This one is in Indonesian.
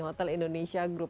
hotel indonesia group